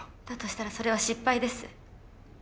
だとしたらそれは失敗です。